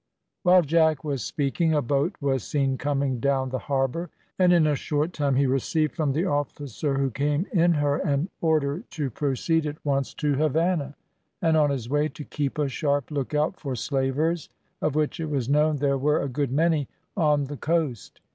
While Jack was speaking, a boat was seen coming down the harbour, and in a short time he received from the officer who came in her an order to proceed at once to Havannah, and on his way to keep a sharp lookout for slavers, of which it was known there were a good many on the coast.